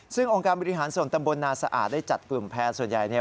ซึ่งองค์การบริหารส่วนตำบลนาสะอาดได้จัดกลุ่มแพร่ส่วนใหญ่เนี่ย